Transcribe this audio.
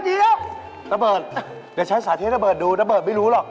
ดะเบิร์ดอย่าใช้สาเทศดะเบิร์ดดูดะเบิร์ดไม่รู้หรอก